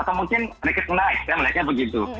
atau mungkin mereka menangis saya melihatnya begitu